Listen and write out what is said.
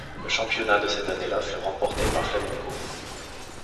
Le championnat de cette année-là fut remporté par Flamengo.